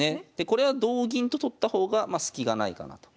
これは同銀と取った方がまあスキがないかなと。